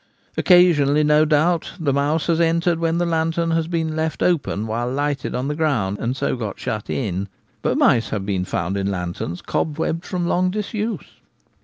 Occasionally, no doubt, the mouse has entered when the lantern Mirage on the Elms. 1 1 1 has been left opened while lighted on the ground, and so got shut in ; but mice have been found in lanterns cobwebbed from long disuse.